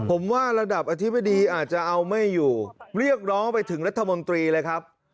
ผมว่าระดับอธิบดีอาจจะเอาไม่อยู่เรียกร้องไปถึงรัฐมนตรีเลยครับ